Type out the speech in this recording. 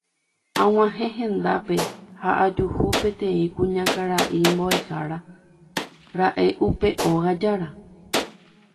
Ag̃uahẽ hendápe ha ajuhu peteĩ kuñakarai mbo'ehára ra'e upe óga jára.